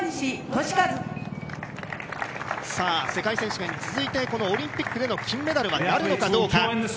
世界選手権、続いてオリンピックでの金メダルはなるのかどうか。